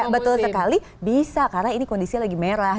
betul sekali bisa karena ini kondisi lagi merah